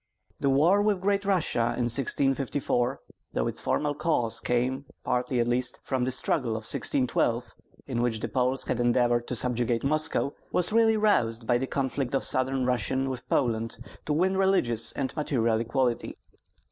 The war with Great Russia in 1654, though its formal cause came, partly at least, from the struggle of 1612, in which the Poles had endeavored to subjugate Moscow, was really roused by the conflict of Southern Russia with Poland to win religious and material equality.